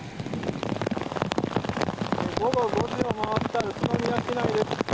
午後５時を回った宇都宮市内です。